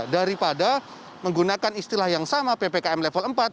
daripada menggunakan istilah yang sama ppkm level empat